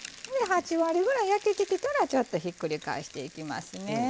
８割ぐらい焼けてきたらちょっとひっくり返していきますね。